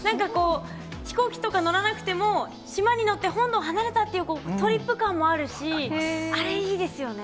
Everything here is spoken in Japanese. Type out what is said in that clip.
飛行機とか乗らなくても、島に行って、本土離れたというトリップ感もあるし、あれいいですよね。